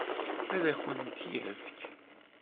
Ad akent-t-yefk?